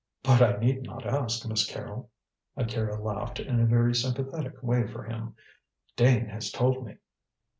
But I need not ask, Miss Carrol." Akira laughed in a very sympathetic way for him. "Dane has told me."